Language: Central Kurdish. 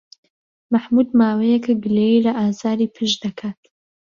مەحموود ماوەیەکە گلەیی لە ئازاری پشت دەکات.